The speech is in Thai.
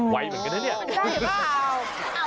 ได้ป้าเอา